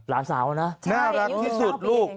หลานสาวนะยุกษ์เกาะปีเองใช่น่ารักที่สุดลูก